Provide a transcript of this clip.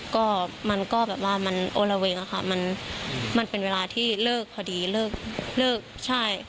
ก็มันก็แบบว่ามันโอละเวงอะค่ะมันมันเป็นเวลาที่เลิกพอดีเลิกเลิกใช่